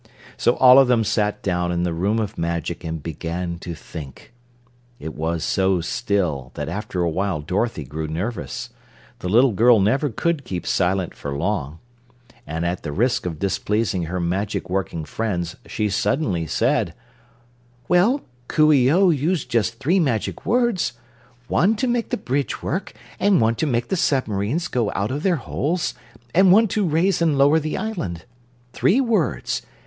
So all of them sat down in the Room of Magic and began to think. It was so still that after a while Dorothy grew nervous. The little girl never could keep silent for long, and at the risk of displeasing her magic working friends she suddenly said: "Well, Coo ee oh used just three magic words, one to make the bridge work, and one to make the submarines go out of their holes, and one to raise and lower the island. Three words.